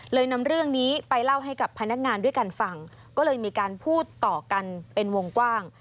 นำเรื่องนี้ไปเล่าให้กับพนักงานด้วยกันฟังก็เลยมีการพูดต่อกันเป็นวงกว้าง